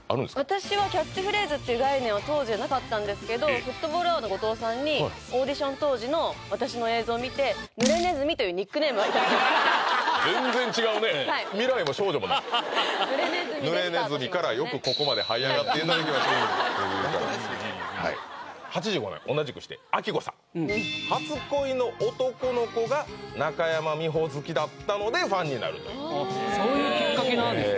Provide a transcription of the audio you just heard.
私はキャッチフレーズっていう概念は当時はなかったんですけど「フットボールアワー」の後藤さんにオーディション当時の私の映像見て「濡れネズミ」っていうニックネームは全然違うね「未来」も「少女」もない濡れネズミでスタートしましたね８５年同じくして亜希子さん初恋の男の子が中山美穂好きだったのでファンになるというそういうきっかけなんですね